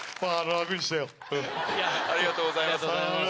ありがとうございます。